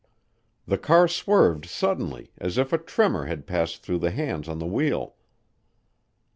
The car swerved suddenly as if a tremor had passed through the hands on the wheel.